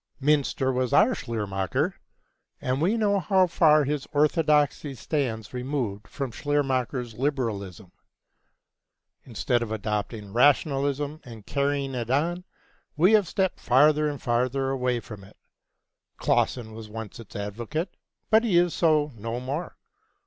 Mynster was our Schleiermacher, and we know how far his orthodoxy stands removed from Schleiermacher's liberalism. Instead of adopting rationalism and carrying it on, we have stepped farther and farther away from it. Clausen was once its advocate, but he is so no more.